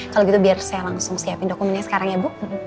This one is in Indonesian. kalau gitu biar saya langsung siapin dokumennya sekarang ya bu